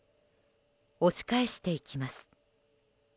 押し返していきます。